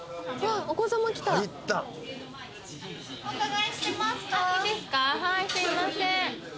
はいすいません